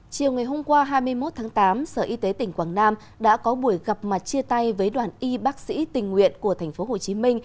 chiều ngày hôm qua hai mươi một tháng tám sở y tế tỉnh quảng nam đã có buổi gặp mặt chia tay với đoàn y bác sĩ tình nguyện của tp hcm